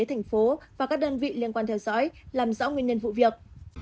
thành phố và các đơn vị liên quan theo dõi làm rõ nguyên nhân vụ việc